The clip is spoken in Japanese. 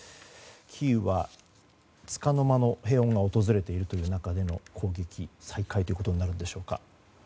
キーウはつかの間の平穏が訪れている中での攻撃再開ということになるのでしょうか。